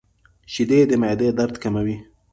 • شیدې د معدې درد کموي.